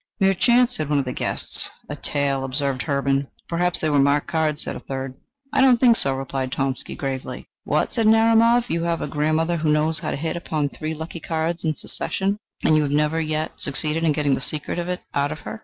"Mere chance!" said one of the guests. "A tale!" observed Hermann. "Perhaps they were marked cards!" said a third. "I do not think so," replied Tomsky gravely. "What!" said Narumov, "you have a grandmother who knows how to hit upon three lucky cards in succession, and you have never yet succeeded in getting the secret of it out of her?"